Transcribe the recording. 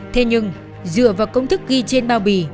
thế nhưng dựa vào công thức ghi trên bao bì